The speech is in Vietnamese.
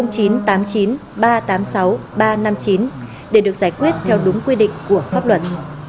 để được giải quyết theo đúng quy định của pháp luận